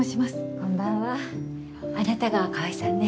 こんばんはあなたが川合さんね。